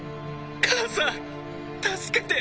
「母さん助けて」